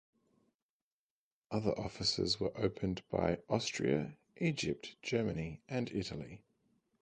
Other offices were opened by Austria, Egypt, Germany and Italy.